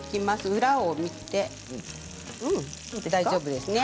裏を見て、大丈夫ですね。